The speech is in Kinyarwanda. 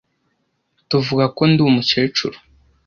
Tuvuga ko ndi umukecuru.